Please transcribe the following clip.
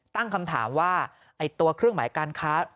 ตั้งคำถามว่าตัวเครื่องหมายการค้า